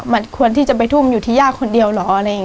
มันควรที่จะไปทุ่มอยู่ที่อย่างผิดคนเดียวหรอ